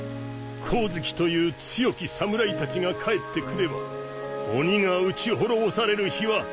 光月という強き侍たちが帰ってくれば鬼が討ち滅ぼされる日は必ず来る！